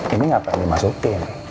ini ngapain dimasukin